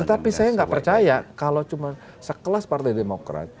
tapi saya nggak percaya kalau cuma sekelas partai demokrat